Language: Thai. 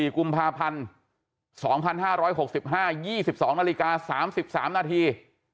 ๔กุมภาพันธ์๒๕๖๕๒๒นาฬิกา๓๓นาที